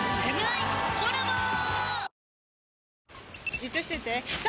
じっとしてて３！